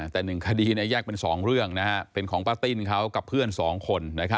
แต่๑คดีแยกเป็น๒เรื่องเป็นของป้าติ้นเขากับเพื่อน๒คน